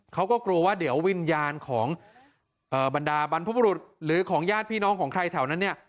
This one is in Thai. เขาก็กลัวว่าเดี๋ยววิญญาณของบรรดาบรรพบุรุษหรือของญาติพี่น้องของใครแถวนั้นเนี่ย